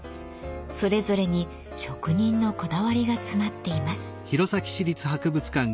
それぞれに職人のこだわりが詰まっています。